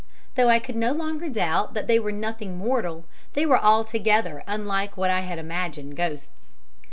Though I could no longer doubt they were nothing mortal, they were altogether unlike what I had imagined ghosts.